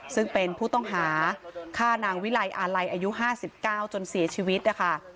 ซึ่งเป็นผู้ต้องหาฆ่านางวิลัยอาลัยอายุ๕๙จนเสียชีวิตนะคะ